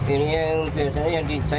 ini yang biasanya yang dicek mas